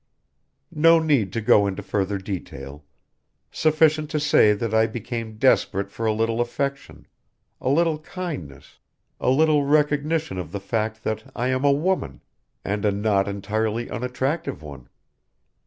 "No need to go into further detail. Sufficient to say that I became desperate for a little affection, a little kindness, a little recognition of the fact that I am a woman and a not entirely unattractive one.